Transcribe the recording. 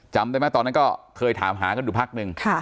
จำได้ไหมตอนนั้นก็เคยถามหากันอยู่พักหนึ่ง